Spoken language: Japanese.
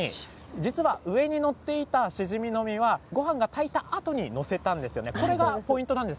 実は上に載っていたシジミの身はごはんを炊いたあとに載せたものなんです。